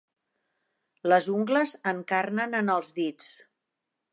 Les ungles encarnen en els dits.